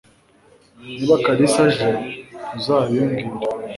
Niba Kalisa aje ntuzabimbwira